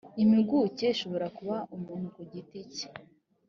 impuguke ishobora kuba umuntu ku giti cye